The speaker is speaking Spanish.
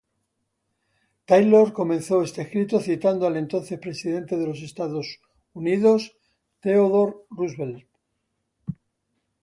Taylor comenzó este escrito citando al entonces Presidente de los Estados Unidos, Theodore Roosevelt.